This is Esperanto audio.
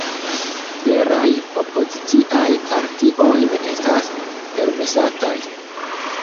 Veraj opoziciaj partioj ne estas permesataj.